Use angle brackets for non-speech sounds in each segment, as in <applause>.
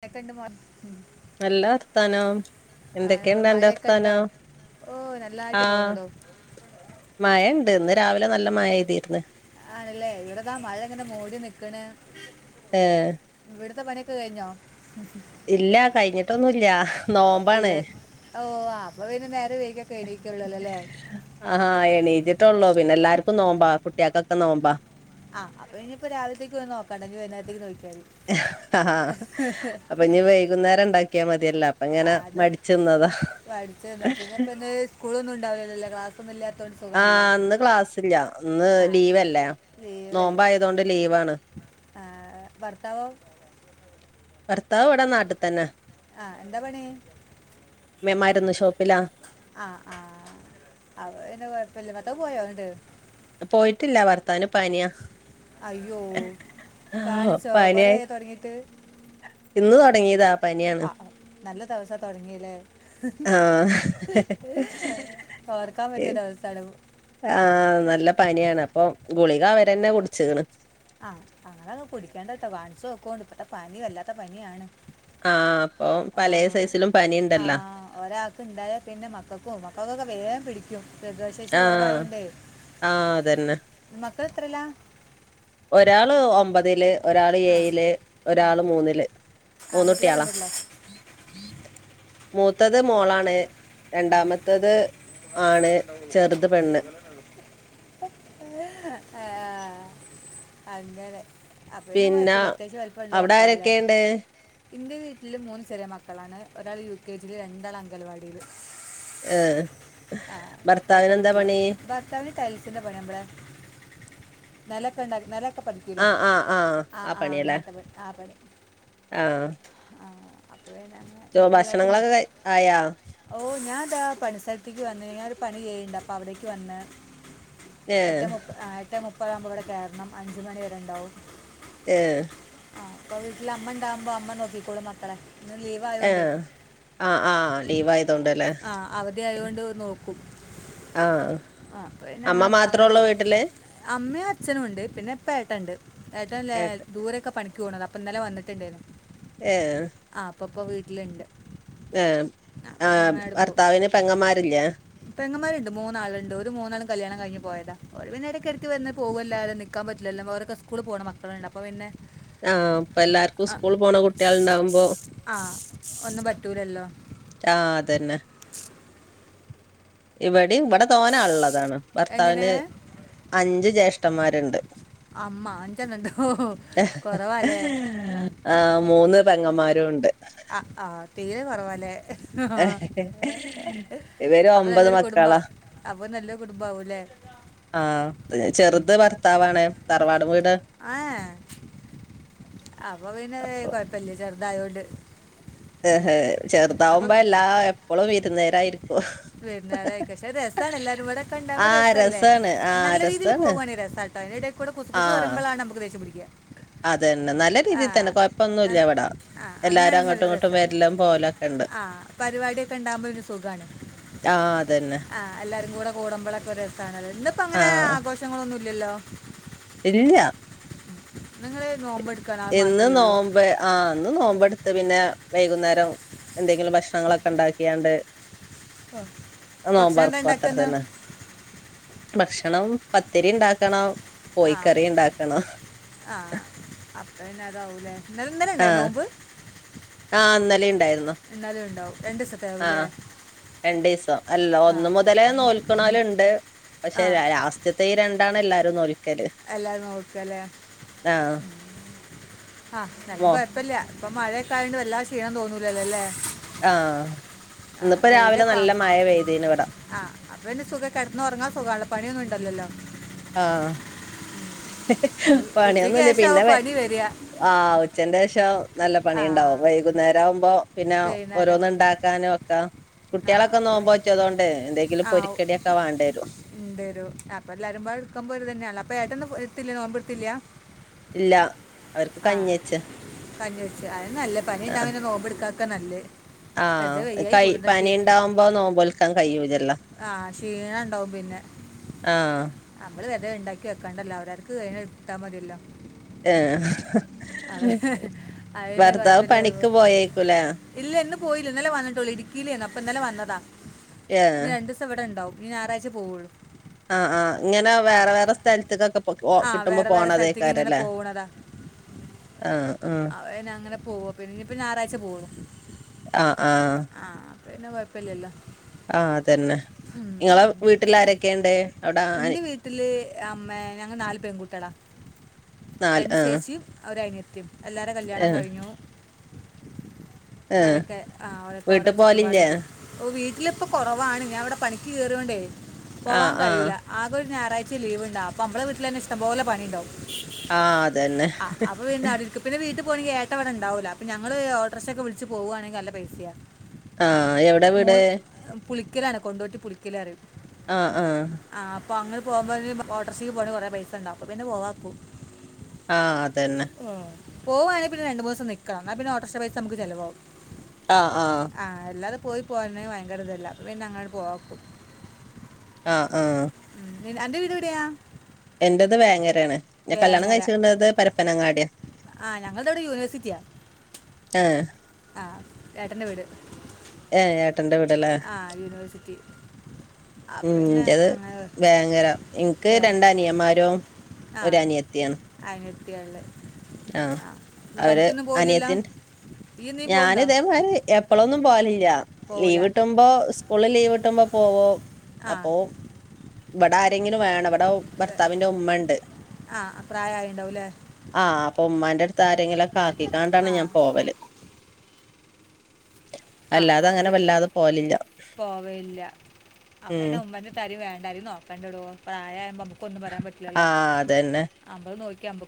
മഴയൊക്കെ ഉണ്ട് മോൻ നല്ല വർത്താനം ആ എന്തൊക്കെയുണ്ട് അന്റെ മഴയൊക്കെ ഇണ്ടോ വർത്താനം ഓ നല്ലായിട്ട് പോണടോ മഴ ണ്ട് ഇന്ന് രാവിലെ നല്ല മഴ യ്തിരുന്ന്. ആണല്ലേ ഇവിടതാ മഴ ഇങ്ങനെ മൂടി നിക്ണ്. ഏഹ് ഇവിടുത്തെ പണിയൊക്കെ കഴിഞ്ഞോ? ഇല്ല കഴിഞ്ഞിട്ടൊന്നും ഇല്ല ഓ, നോമ്പാണ്. ഇവ- ഓ ആ അപ്പോൾ പിന്നെ നേരെ വൈകൊക്കെ എണീക്കുള്ളൂ അല്ലേ ആഹ് എണീച്ചിട്ടെ ഒള്ളൂ പിന്നെ എല്ലാർക്കും നോമ്പാ കുട്ട്യേക്കൊക്കെ നോമ്പാ അഹ് അപ്പ ഇനിപ്പൊ രാവിലത്തേക്ക് ഒന്നും നോക്കണ്ട ഇനി വൈന്നേരത്തേക്ക് നോക്കി അപ്പൊ ഞ്ഞി വൈകുന്നേരം ണ്ടാക്കിയാ മതിയല്ല ആന്ന് പഠിച്ചു തന്ന പിന്നെ ഇപ്പന്ന് സ്കൂളൊന്നുണ്ടാവില്ലല്ല ക്ലാസ്സൊന്നും ഇല്ലാത്തോണ്ട്? ആഹ് ഇന്ന് ക്ലാസ്സില്ല. ഇന്ന് ആ ലീവല്ലേ നോമ്പ് ആയതോണ്ട് ലീവാണ്. ആഹ് ഭർത്താവോ ഭർത്താവ് ഇവിട നാട്ടിത്തന്ന ആഹ് എന്താ പണി? മരുന്നു ഷോപ്പിലാ ആഹ് ആഹ് അപ പിന്നെ കൊഴപ്പല്ല ഭർത്താവ് പോയോ ന്നട്ട്? പോയിട്ടില്ല ഭർത്താവിന് പനിയ. അയ്യോ കാണിച്ചോ പനിയായി കൊറെയായോ തൊടങ്ങീട്ട്? ഇന്ന് തൊടങ്ങിയതാ പനിയാണ്. നല്ല ദിവസ തൊടങ്ങീല്ലേ ആഹ് ഓർക്കാൻ പറ്റിയ ദിവസാണം. ആഹ് നല്ല പനിയാണ്. അപ്പൊ ഗുളിക അവരന്നെ കുടിച്ക്ണ്. ആഹ് ആഹ് അങ്ങനങ്ങ് കുടിക്കാണ്ടട്ടോ കാൺച്ചോക്കുണ്ട് ഇപ്പഴത്തെ പനി വല്ലാത്ത പനിയാണ്. ആഹ് അപ്പൊ പലേ ആഹ് സൈസിലും പനിണ്ടല്ലോ ആഹ് ഒരാക്ക് ഇണ്ടായാ പിന്നെ മക്കക്കും മക്കക്കൊക്കെ വേഗം പിടി പ്രതിരോധശേഷി ആഹ് കൊറവായോണ്ടേ ആഹ് അതന്നെ മക്കൾ എത്രേല്ലാ ഒരാള് ഒമ്പതില് ഒരാള് എയില് ആ ഒരാള് മൂന്നില് മൂന്നു ആൺകുട്ടികളോ ട്ടായാളാ. പെൺകുട്ടികളോ മൂത്തത് മോളാണ് ആ രണ്ടാമത്തത് ആണ് ചെറുത്പെണ്ണ് ആ, അങ്ങനെ അപ്പൊയിന്നെ പിന്നെ കൊഴപ്പില്ല അത്യാവശ്യംവല്പ്പള്ള അവിടെ മക്കളല്ലേ? ആരൊക്കെണ്ട് ഇന്റെ വീട്ടില് മൂന്ന്ചെറിയ മക്കളാണ് ഒരാള് യു കെ ജിയില് രണ്ടാള്അങ്കൽവാടീല് ഏ ഭർത്താവിനന്താ പണി ടൈൽസിന്റെ <unintelligible> നെലൊക്കെണ്ട നെല പഠിക്കൂ ലേ ആഹ് ആഹ് ആഹ് ആ ആ പണിയല്ലേ അങ്ങനത്തെ പണി ആ പണി ആഹ് ആ ആ ചോ ഭക്ഷണങ്ങളൊകെ ആയാ? ഓഹ് ഞാനതാ പണിസ്ഥലത്തേക്ക് വന്ന് ഞ ഒരു പണി ചെയ്യണ്ട് അപ്പൊ അവിടേക്ക് വന്ന് ഏഹ് എട്ടെ മുപ്പതാ ഏട്ടെ മുപ്പതാവുമ്പോവിടെ കേറണം അഞ്ചുമണിവരെണ്ടാവും ഏയ് ആ അപ്പൊവീട്ടിലമ്മണ്ടകുമ്പോ അമ്മനോക്കിക്കോളും മക്കളെ ഇന്ന് ലീവ് ഏ ആയതുകൊണ്ടേ അആലീവായതൊണ്ടല്ലേ ആ അവധി ആ ആപ്പോപ്പിന്നെങ്ങനെ അങ്ങനെ <unintelligible> അമ്മയുഅച്ഛനുണ്ട് പിന്നെപ്പെട്ടണ്ട് ഏട്ടൻ ലേ ഏട്ട ദൂരൊക്കപണിക്കോണതാ അപ്പൊ ഇന്നലെ വന്നിട്ടു ണ്ടേന്നു ഏഹ് ഇപ്പൊപ്പൊവീട്ടില്ണ്ട്. ഏഹ് ആ ഭർത്താവിന്പെങ്ങന്മാരില്ലേ പെങ്ങമാരുണ്ട് മൂന്നാള്ണ്ട് ഒരുമൂന്നാളും കല്യാണം കഴിഞ്ഞ്പോയതാഓല്പിന്നെ ഇടക്ക് ടക്ക് വന്ന്പോവല്ലാതെ നിൽക്കാൻപറ്റില്ലല്ലോ വേറെക്കെ സ്കൂൾപോണമക്കളുണ്ട് അപ്പോപ്പിന്നെ ആഹ് ഇപ്പ എല്ലാർക്കും ആ സ്കൂൾ പോണ കുട്ടികളുണ്ടാവുമ്പോ ആ ഒന്നുംപറ്റുല്ലല്ലോ ആഅതന്നെ ഇവിടിം ഇവിടെ തോന്നഉള്ളതാണ് ഭർത്താവിന് എങ്ങനെ അഞ്ചുജെ ജേഷ്ടന്മാരുണ്ട് അമ്മ അഞ്ചെണ്ണുണ്ടോ കുറവാലേ ആഹ് മൂന്ന്പെങ്ങമാ ല്ലാരുംണ്ട് ആ ആ തീരെകുറവാല്ലേ? അ ഇവര് അപ്പം ഒമ്പത് നല്ലൊരു കുടുംബം മക്കളാ അപ്പൊനല്ലൊരു കുടുംബാവുലെ ആഹ് ചെറുത് ഭർത്താവാണ് തറവാട് വീട് ആഏ അപ്പൊപിന്നെ അപ്പൊ കൊഴപ്പല്ലചെറുതായോണ്ട് ഹെ ഹെ ചെറുതാവുമ്പോല്ലാഎപ്പോഴും വിരുന്നേരായിരിക്കും. വിരുന്നാരായിരിക്കും പക്ഷെ രസാണ് എല്ലാരുംപാടെ ആ കണ്ടാവുമ്പോ രസംല്ലേ രസാണ് ആ നല്ല രീതിയിൽ രസാണ് പോവാണിരസം അതിനിടെകൂടെ കുസുകുസു ആഹ് പറയ്മ്പളാ ണ് നമ്മക്ക് ദേഷ്യം പിടിക്യ അതന്നെ നല്ല രീതിയിൽതന്നെ നൽ- കൊഴപ്പൊന്നൂല്ലാവിടെ ആ അങ്ങനെയാണെങ്കില്‌ നല്ല രസാ പോവലൊക്കെണ്ട്. ആ പരിപാടിയൊക്കെണ്ടാവുമ്പോരു സുഖാണ് ആഹ് അതന്നെ. ആ എല്ലാരുംകൂടെ കൂടുമ്പോളൊക്കെരു രസാണ് ഇന്ന്പ്പോ അങ്ങനെ ആഘോഷങ്ങളൊന്നും ഇല്ലല്ലോ ഇല്ല്യ നിങ്ങള് ഈനോബ് ഇന്ന്നോമ്പ് ആഹ് ഇന്ന്നോമ്പട് ത്ത്പിന്നെ വൈകുന്നേരം എന്തെങ്കിലും ഭക്ഷണങ്ങളൊക്കെണ്ടാക്കിയാണ്ട് ഭക്ഷണം എന്താ അനോമ്പർക്കും ഉണ്ടാക്കുന്നു അത്രതന്നെ ഭക്ഷണം പത്തരിണ്ടാക്കണം ആ കോഴിക്കറിണ്ടാക്കണം ന്ന്പ്പിന്നെതാവുംലെ ഇന്നലെണ്ടായി നോമ്പ്? ആഇന്നലിണ്ടായിരുന്നു. ഇന്നലെ ഉണ്ടാവും രണ്ട് സത്തയാവുല്ലേ രണ്ട് ദിവസം അല്ല ഒന്ന് മുതലേ നോക്കുന്നവരുണ്ട് ആ പക്ഷെ ലാസ്റ്റ്ത്തെ രണ്ടാണല്ലാരും എല്ലാവരും നോക്കല്ലേ ആഹ് ആഹ് നാലും മോ കുഴപ്പമില്ല ഇപ്പൊ മഴയക്കായണ്ട് വല്ലാ ക്ഷീണം തോന്നൂലല്ലോ അല്ലേ ആഹ ഇന്നിപ്പോ രാവിലെ നല്ല മഴ വെയദീന് ഇവിടെ ആഹ അപ്പം പിന്നെ സുഖം കടന്നുറങ്ങാ സുഖാണോ പണിയൊന്നും ഉണ്ടല്ലോല്ലോ <unintelligible> ആഹ് ഉച്ചയ്ക്ക് പണിയൊന്നുമില്ല ശേഷം പിന്നെ ആവും വേ പനി വരിക ആ ഉച്ചെന്റെ ശേഷം നല്ല പണി ഉണ്ടാവും ആ വൈകുന്നേരം ആവുമ്പോ പിന്നെ വൈകുന്നേരം ഓരോന്ന് ഉണ്ടാക്കാനും ഒക്കെ ആ കുട്ടികളൊക്കെ അപ്പോൾ നോമ്പ് വെച്ചെന്നോണ്ട് എന്തെങ്കിലും പൊരിക്കടി ഒക്കെ വേണ്ടി വരും ഉണ്ട്രും അപ്പൊ എല്ല അരുമ്പാ നിൽക്കുമ്പോ ഒരു തന്നെയണല്ല അപ്പ ഏട്ടൊന്നും എത്തില്ല നോമ്പോടുത്തില്ല ഇല്ല അവർക്ക് ആഹ കഞ്ഞിവെച്ച് കഞ്ഞിവെച്ച് അത് നല്ലേ പനി ഉണ്ടാവനെ നോമ്പ് എടുക്കക്കെ നല്ലേ ആഹ കൈ പനി ഉണ്ടാവുമ്പോ നോമ്പോൽക്കാൻ കഴിയില്ലല്ലോ ആഹ ക്ഷീണം ഉണ്ടാവും പിന്നെ ആഹ് ആ അവള് വത ഉണ്ടാക്കി വക്കാണ്ടല്ലോ അവരാർക്ക് കഴിഞ്ഞൽ ഇട്ടാൽതില്ലോ <unintelligible> ഏഹ് അതെ അത് ഭർത്താവ് കൊഴപ്പില്ലായിരുന്നു പണിക്ക് പോയേക്കൂലേ ഇല്ല <unintelligible> പോയില്ല ഇന്നലെ വന്നിട്ടുള്ളൂ ഇടുക്കിയിലേന്ന് അപ്പ ഇന്നലെ വന്നതാ ഏഹ് ഇനി രണ്ടു ദിസം ഇവിടെ ഉണ്ടാവും ഈ ഞായറാഴ്ച പോവുള്ളൂ ആഹ് ആഹ് ഇങ്ങനെ ആ വേറെ വേറെ സ്ഥലത്തേക്കൊക്കെ ആ കിട്ടുമ്പോ വേറെ വേറെ സ്ഥലത്തേക്ക് ഇങ്ങനെ പോണതേക്കാരല്ലേ പോകണതാ ആഹ് ഉം പോവ പിന്നെ ഇപ്പോ ഞായറാഴ്ച പോവുള്ളൂ ആഹ് ആഹ് പിന്നെ കുഴപ്പില്ലല്ലോ ആഹ് അതന്നെ ഉം നിങ്ങളെ വീട്ടിൽ ആരൊക്കെയുണ്ട് അവിടെ എന്റെ ആനി- വീട്ടില് അമ്മ ഞങ്ങള് നാല് പെൺകുട്ടികളാ നാല് രണ്ടു ആ ചേച്ചിയും ഒരു അനിയത്തിയും എല്ലാവരുടെയും കല്യാണം കഴിഞ്ഞു ആ ഓരൊക്കെ ആഹ് ഓരൊക്കെ ഓരോ വീട്ടിൽ പോവലില്ലേ ചുറ്റുപാടായിട്ടുണ്ട് ഓഹ് വീ ഇതിലിപ്പോ കുറവാണ് ഞാൻ ഇവിടെ പണിക്ക് കേറിയോണ്ടേ ആ പോവാൻ ആ കഴിയില്ല ആകെ ഞായറാഴ്ച ലീവുണ്ട അപ്പോ നമ്മളെ വീട്ടിൽ തന്നെ ഇഷ്ടം പോലെ പണി ഇണ്ടാവും ആഹ് അതന്നെ അവിടെ ഇരിക്കും പിന്നെ വീട്ടിൽ പോണെങ്കി ഏട്ടൻ അവിടെ ഇണ്ടാവില്ല അപ്പോ ഞങ്ങൾ ഓട്ടോറിക്ഷ ഒക്കെ വിളച്ച് പോകവാണെങ്കിൽ നല്ല പൈസാ ആഹ് എവിടെയാ വീട് പുലിക്കിലാണ് കൊണ്ടോട്ടി പുലിക്കിലാണ് ആഹ് ആഹ് അപ്പൊ അങ്ങനെ പോകുമ്പോൾ ഓട്ടോറിക്ഷക്ക് പോണ കുറെ പൈസ ഉണ്ടാവും അപ്പോ പിന്നെ പോവാക്കും ആഹ് അതന്നെ പോവാണെങ്കിൽ പിന്നെ രണ്ടുമൂന്നു ദിവസം നിൽക്കണം പിന്നെ ഓട്ടോറിക്ഷ പൈസ നുക്ക് ചെലവാകും ആഹ് ആഹ് പോയി പോരണെ ഭയങ്കര ഇതല്ല പിന്നെ അങ്ങാട് പോവാക്കും ആഹ് ആഹ് അന്റെ വീട് എവിടെയാ എന്റേത് വേങ്ങരയാണ് ഞാൻ കല്യാണം വേങ്ങര കഴിച്ചത് പരപ്പനങ്ങാടിയ ആ ഞങ്ങള്ടെവിടെ യൂണിവേഴ്സിറ്റിയാണ് ഏ ആ ഏട്ടന്റെ വീട് ഏ ഏട്ടന്റെ വീട്ടിലാ ആ യൂണിവേഴ്സിറ്റി ആ ഉം പിന്നെ എന്റേത് അങ്ങനെ വേങ്ങര എനിക്ക് രണ്ട് അനിയന്മാരും ഒരു ആഹ ആയിഞ്ഞൂരത്തിൽ <unintelligible> ആഹ് അവര് അനിയത്തിന ഈ നീ ഞാൻ പോകണ്ടോ ഇതേമാതിരി എപ്പോഴും പോവില്ല <inaudible> ഓ ആ അപ്പോ ഇവടെ ആരെങ്കിലും വേണം. ഇവടെ ഇത് ഭർത്താവിന്റെ ഉമ്മണ്ട്. ആയിണ്ടാവുല്ലേ? ഉമ്മാന്റെ അടുത്ത് ആരെങ്കിലൊക്കെ ആക്കിക്കാണ്ടാണ് ഞാൻ പോവല്. ആ അല്ലാതെ അപ്പ അങ്ങനെ വല്ലാതെ പോവലില്ല <inaudible> പോവയില്ല. അപ്പ ഉം പിന്നേ ഉമ്മാന്റെ തരി വേ എന്തായാലും നോക്കാണ്ടടോ. പ്രായം ആയ നമുക്ക് ഒന്നും പറയാൻ ആ പറ്റൂല്ലല്ലോ. നമ്മൾ നോക്യാ നമ്മ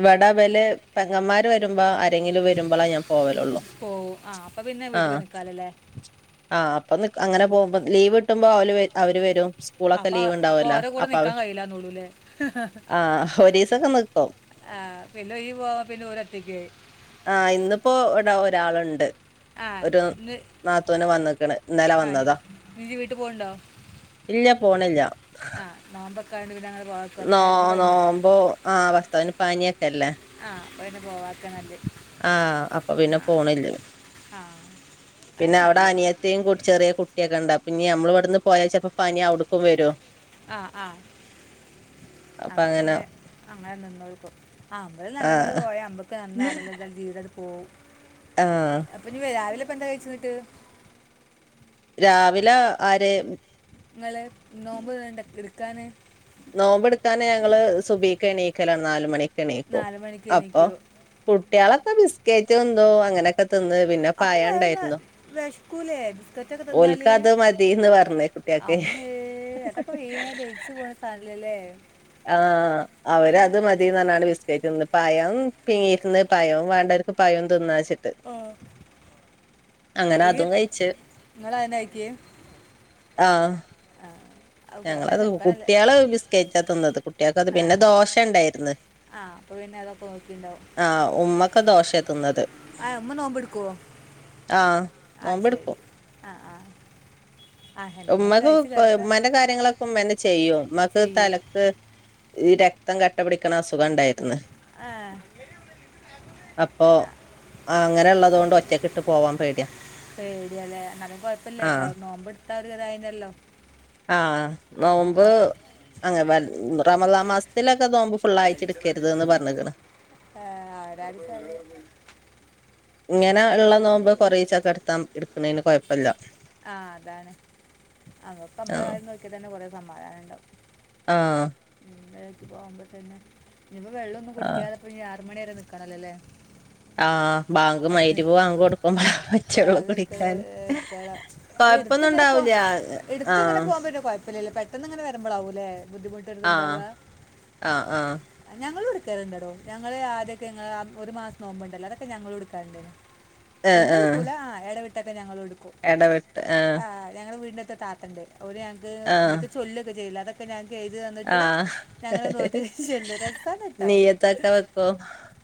ഇവടെവല് പെങ്ങന്മാര് വരുമ്പോ അരെങ്കിലും വരുമ്പളാ ഞാൻ പോവലുള്ളൂ പോവും ആ അപ്പ പിന്നെ ആ വീട്ട്പ്പോയി നിൽക്കാലോല്ലേ? ആ അപ്പ നിക് അങ്ങനെ പോവുമ്പോ. ലീവ്ട്ടുമ്പോ അവല് അവര് വരും സ്കൂളൊക്കെ അപ്പ ലീവ് അപ്പ ഉണ്ടാവുമല്ലോ ഓരകൂടെ അപ്പൊ അവർ നിക്കാൻ കഴയില്ലന്നള്ളൂലേ? ആ ഒരു ദിവസമൊക്കെ നിക്കും ആ പിന്നെ ഈ പോവാ പിന്നെ ഓരൊറ്റയ്ക്ക് ആയി. ആ ഇന്നിപ്പോ വടെ ഒരാള്ണ്ട്. ആ ഇന്ന് വന്ന്ക്ക്ണ് ഇന്നലെ ആ വന്നതാ ഇജ്ജ് വീട്ടു പോണുണ്ടോ ഇല്ല പോണില്ല. ആ നാമ്പൊക്കായോണ്ട് പിന്നെ അങ്ങട് നോ നോമ്പോ ആ ഭർത്താവിന് പനിയൊക്കെല്ലേ? അപ്പ പിന്നേ പോവാക്ക നല്ല് ആ അപ്പ പിന്നെ പോണില്ല. ആ അത് പിന്ന അവടെ നല്ലത് അനിയത്തിം കൂ ചെറിയ കുട്ടിയക്കേണ്ട്. പിന്നെ നമ്മളിവിടുന്ന് പോയാ ചെലപ്പോ പനി അവിടുക്കും വരോ? ആ ആ അപ്പൊ അപ്പ അങ്ങനെ പിന്നെ അങ്ങനെ നിന്നോൾകും ആ അമ്മള് നല്ലോംപോലെ ആഹ് പോയ നമ്മക്ക് നന്ന് <unintelligible> ജീവിതങ്ങട് പോവും. ആഹ് അപ്പന്നീ വരാ രാവിലെ ഇപ്പ എന്താ കഴിച്ച് ന്നിട്ട് രാവിലെ ആര് നിങ്ങള് നോമ്പ് വേണ്ട ഇടുക്കാന് നോമ്പെടുക്കാന് ഞങ്ങള് സുബ്ഹിക്ക് എണീക്കലാണ് നാല് മണി എണിക്കും നാല് മണിക്ക് അപ്പ എണീക്കോ കുട്ട്യാളൊക്കെ ബിസ്കേറ്റ്തിന്ന് അങ്ങനൊക്കെ തിന്ന് പിന്നെ അപ്പം വയറിന് പയണ്ടായിരുന്നു. വിശക്കൂലേ ബിസ്ക്കറ്റൊക്കെ തിന്നാൽ ഓൽക്കത് മതിന്ന് പറഞ്ഞ് കു അമ്മേ അതൊക്കെ വീണാ ദ്രവിച്ച് പോണ സാധനല്ലേലേ? ആ അവരത് മതിന്നറഞ്ഞാണ് ബിസ്കറ്റ്ന്നത് പയം പിങ്ങീക്ക്ന്ന്. പയം വേണ്ടവർക്ക് പയോം തിന്നാച്ച് ആ അങ്ങനെ അതും കഴിച്ചു. നിങ്ങൾ അതിനെ ആക്കിയേ ആ അത് പറയാൻ ഞങ്ങളത് <unintelligible> നിൽക്കണല്ലേ കുട്ട്യാള് ബിസ്കേറ്റാ തിന്നത് കുട്ട്യാൾക്കത് പിന്ന ദോശ ഉണ്ടായിര്ന്ന്. ആ അപ്പ പിന്നെ അതൊക്കെ നോക്കിണ്ടാവും ആ ഉമ്മക്ക് ദോശ ആ ഉമ്മ നോമ്പ്ടുക്കോ? ആഹ് നോമ്പെടുക്കും അയ്ശരി ആ ആ ആ എന്തെങ്കിലും ഒന്ന് ഉമ്മക്ക് കഴിച്ച് ക് കിടക്ക ഉമ്മന്റെ കാര്യങ്ങള ഉമ്മന്നെ ചെയ്യും ഉമ്മാക്ക് ചെയ്യും തലക്ക് രക്തം കട്ടപിടിക്കണ അസു ആ അപ്പോ എന്നാ ആ അങ്ങനെ ഇള്ളത്കൊണ്ട് ഒറ്റക്ക ഇട്ട് പോവാൻ പേട്യാ. പേടിയല്ലേ എന്നാലും കുഴപ്പമില്ല ആ ഞാൻ <unintelligible> ആ ആ ആ നോമ്പ് ആ, അ <unintelligible> റമളാൻ മാസത്തിലൊക്കെ നോമ്പ് ഫുള്ളായിട്ട് ഇടുക്കരുത് ന്ന് പറഞ്ഞ്ക്ക്ണ് ഏ ആരാണ്ച്ചാല് ഇങ്ങനെ ഇള്ള നോമ്പോക്കെ കൊറീച്ചൊക്ക എടുത്താ എടുക്കണന് കൊയ ആ അതാണ്. അതൊക്കമ്മടെ കാര്യം നോക്ക്യാതന്നെ കൊറെ സമാധാനണ്ടാവും ആ ഇന്ന് ഇക്കിപ്പോ വളമ്പിതന്ന്. ഇനിപ്പോ വെള്ളോന്നും ആഹ് കുടിക്കാതേ പ്പോ ഞ്ഞി ആറുമണി ഇനി അറുമണി വരെ നിക്കണല്ലോല്ലേ? ആ ബാങ്ക് മൈരിബ് ബാങ്ക് കൊടുക്കുമ്പ. <unintelligible> കൊഴപ്പൊന്നും എടുത്തിങ്ങനെ ഉണ്ടാവൂല ആഹ് പോവുപ്പോ പിന്നെ എടുത്തിങ്ങനെ <unintelligible> പെട്ടന്ന് ഇങ്ങനെ വരുമ്പളാവൂല്ലേ ബുദ്ധിമുട്ട്ത്ണ്ടാവ ആഹ് ആഹ് ആഹ് ഞങ്ങ ഞങ്ങള് ആദ്യക്കെ ഇങ്ങളെ ഒരു മാസം നോമ്പ്ണ്ടല്ലോ അതൊക്കെ ഞങ്ങള് എടുക്കാറ്ണ്ട്. ആഹ ആഹ. ല ആ എടവിട്ടൊക്കെ ഞങ്ങൾ എടുക്കും ഇടവിട്ട് ആഹ. ഒര് ഞങ്ങക്ക് എന്തൊെ ചൊല്ലൊക്കെ ചെയ്ല്ല അതൊക്കെ ഞാ ആ ചെല്ലു നീ എന്തെക്കെ വെയ്ക്കും.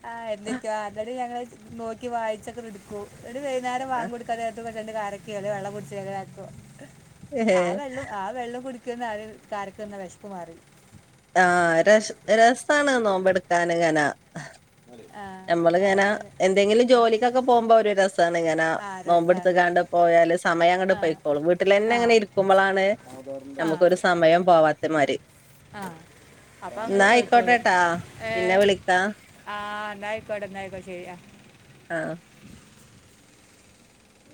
ആഹ് എന്തൊക്കെയോ എന്നിട്ട്, ഞങ്ങള് നോക്കി വായിച്ചൊക്കെ എടുക്കും. എന്നിട്ട് വൈകുന്നേരം <unintelligible> രണ്ട് കാരക്കെ അല്ലെ വെള്ളം കുടിച് താക്കും ഏഹ് അ വെള്ളം ആ വെള്ളം കുടി <unintelligible> കാരക്കന്ന തിന്ന വെശപ്പ് മാറി. ആഹ രസാണ് നോമ്പ എടുക്കൻ ഇങ്ങനാ. ആ നമ്മള് ങ്ങനെ അതാണ് എന്തെങ്കിലും ആ ജോലിക്കൊക്കെ പോകുമ്പോ ഒരു രസ. ഇങ്ങനെ ആ രസാണ് നോമ്പിടുത്ത്ങ്ങണ്ട് പോയാല് സമയം അങ്ങട്ട് ആ പൊയ്ക്കോളും ആ വീട്ട്ലെന്നെങ്ങനെ കിട്ടും ഇരിക്കുമ്പളാണ്. നമുക്കൊരു സമയം പോവാത്ത മരി. <inaudible> ന്നാ അങ്ങനെ അയ്ക്കോട്ടെ പോയിക്കോളും ട്ടോ ഏ പിന്നെ വിളിക്കാ. <unintelligible> ആ ആ